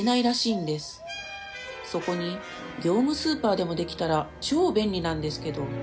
「そこに業務スーパーでもできたら超便利なんですけど」